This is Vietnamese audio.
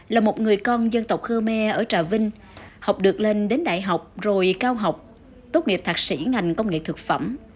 là một người con dân tộc khmer ở trà vinh học được lên đến đại học rồi cao học tốt nghiệp thạc sĩ ngành công nghệ thực phẩm